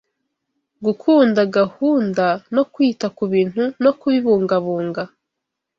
gukunda gahunda, no kwita ku bintu no kubibungabunga